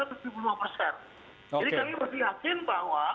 jadi kami masih yakin bahwa kemudian dengan transparansi yang kami lakukan ini